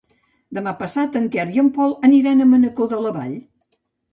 Demà passat en Quer i en Pol aniran a Mancor de la Vall.